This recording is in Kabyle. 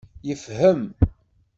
Yefhem.